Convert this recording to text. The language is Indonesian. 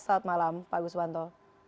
selamat malam pak guswanto